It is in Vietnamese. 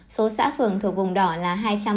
số xã phường thuộc vùng đỏ là hai trăm bốn mươi bốn